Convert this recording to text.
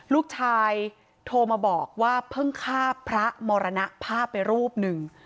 ลูกชายโทรมาบอกว่าเพิ่งฆ่าพระมรณภาพไปรูปหนึ่ง